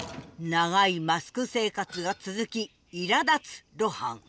長いマスク生活が続きいらだつ露伴。